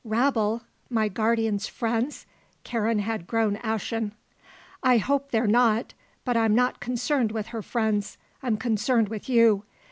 "Rabble? My guardian's friends?" Karen had grown ashen. "I hope they're not; but I'm not concerned with her friends; I'm concerned with you.